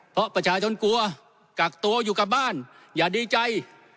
เพราะประชาชนกลัวกักตัวอยู่กับบ้านอย่าดีใจ